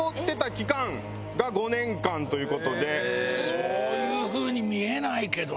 そういうふうに見えないけどね。